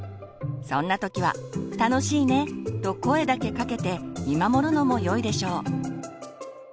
そんな時は「楽しいね」と声だけかけて見守るのもよいでしょう。